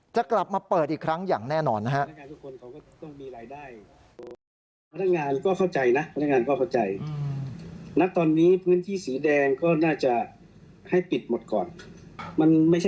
จะกลับมาเปิดอีกครั้งอย่างแน่นอนนะฮะ